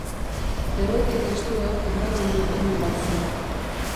Errepide estua hondamendi-eremu bat zen.